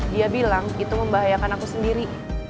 dia bilang itu membahayakan aku sendiri